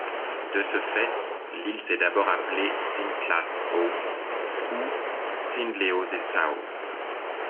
De ce fait, l'île s'est d'abord appelée Sintlas-Au ou Sindleozesauua.